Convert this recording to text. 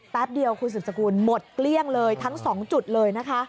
แป๊บเดียวคุณสุดสกุลหมดเกลี้ยงเลยทั้งสองจุดเลยนะคะ